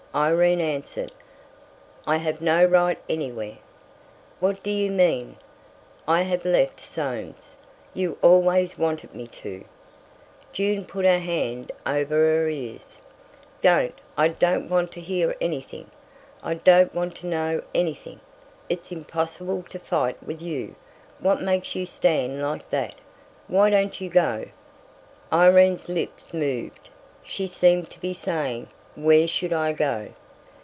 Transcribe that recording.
Irene answered: "I have no right anywhere——" "What do you mean?" "I have left Soames. You always wanted me to!" June put her hands over her ears. "Don't! I don't want to hear anything—I don't want to know anything. It's impossible to fight with you! What makes you stand like that? Why don't you go?" Irene's lips moved; she seemed to be saying: "Where should I go?"